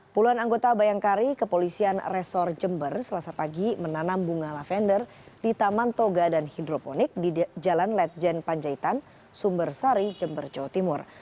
puluhan anggota bayangkari kepolisian resor jember selasa pagi menanam bunga lavender di taman toga dan hidroponik di jalan ledjen panjaitan sumber sari jember jawa timur